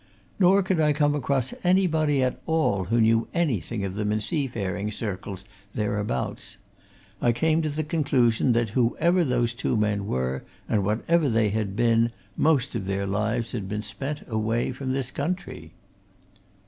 Nor could I come across anybody at all who knew anything of them in seafaring circles thereabouts. I came to the conclusion that whoever those two men were, and whatever they had been, most of their lives had been spent away from this country."